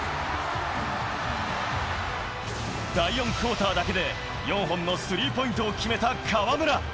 第４クオーターだけで、４本のスリーポイントを決めた河村。